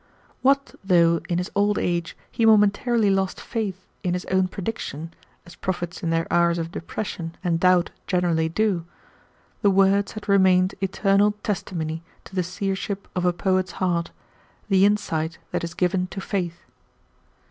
What though, in his old age, he momentarily lost faith in his own prediction, as prophets in their hours of depression and doubt generally do; the words had remained eternal testimony to the seership of a poet's heart, the insight that is given to faith.